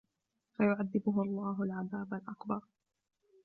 فَيُعَذِّبُهُ اللَّهُ الْعَذَابَ الْأَكْبَرَ